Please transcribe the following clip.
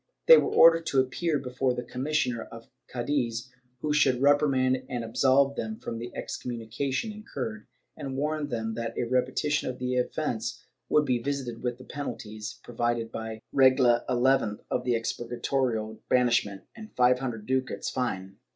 They were ordered to appear before the commissioner of Cddiz, who should reprimand and absolve them from the excommunication incurred, and warn them that a repetition of the offence would be visited with the penalties provided by Regla xi of the Expur gatorio — banishment and five hundred ducats fine.